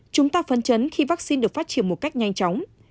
chúng ta phấn chấn khi vaccine được phát triển một cách nhanh chóng